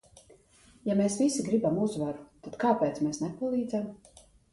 Ja mēs visi gribam uzvaru, tad kāpēc mēs nepalīdzam?